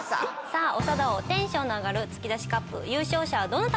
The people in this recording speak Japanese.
さあ長田王テンションの上がる突き出しＣＵＰ